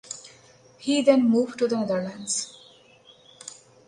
He then moved to the Netherlands.